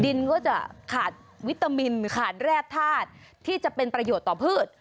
ดินก็จะขาดวิตามินขาดแร่ธาตุที่จะเป็นประโยชน์ต่อพืช